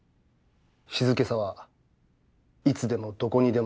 静けさはいつでも、どこにでもある。